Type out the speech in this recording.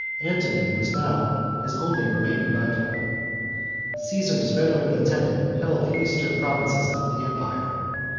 Antony was now his only remaining rival. Cæsar's veteran lieutenant held the Eastern provinces of the Empire.